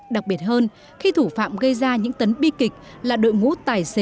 đặc biệt hơn khi thủ phạm gây ra những tấn bi kịch là đội ngũ tài xế